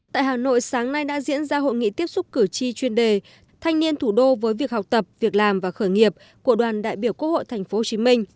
tại hà nội sáng nay đã diễn ra hội nghị tiếp xúc cử tri chuyên đề thanh niên thủ đô với việc học tập việc làm và khởi nghiệp của đoàn đại biểu quốc hội tp hcm